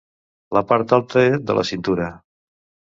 La part alta de la cintura.